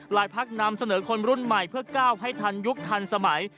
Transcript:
พักนำเสนอคนรุ่นใหม่เพื่อก้าวให้ทันยุคทันสมัย